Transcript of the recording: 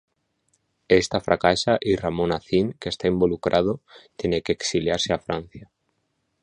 Ésta fracasa y Ramón Acín, que está involucrado, tiene que exiliarse a Francia.